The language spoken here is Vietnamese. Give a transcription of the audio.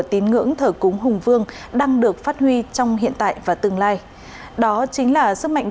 tín ngưỡng thờ cúng hùng vương đang được phát huy trong hiện tại và tương lai đó chính là sức mạnh